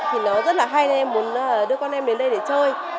thì nó rất là hay em muốn đưa con em đến đây để chơi